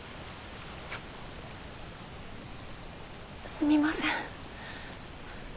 すみません。